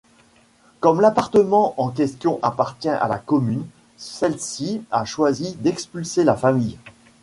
Comme l'appartement en question appartient à la commune, celle-ci a choisi d'expulser la famille.